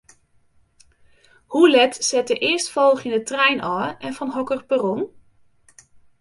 Hoe let set de earstfolgjende trein ôf en fan hokker perron?